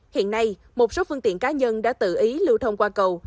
hiện nay một số phương tiện cá nhân đã tự ý lưu thông qua cầu